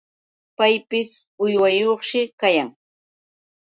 Paypis uywayuqshi kayan.